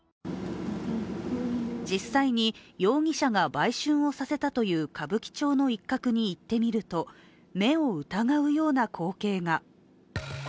実際に容疑者が売春をさせたという歌舞伎町の一角に行ってみると目を疑うような光景が。